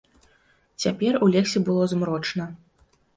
Цяпер у лесе было змрочна.